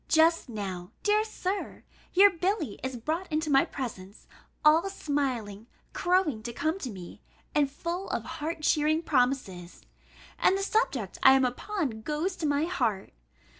Just now, dear Sir, your Billy is brought into my presence, all smiling, crowing to come to me, and full of heart cheering promises; and the subject I am upon goes to my heart.